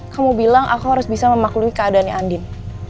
kamu bilang aku harus bisa memaklumi keadaan andin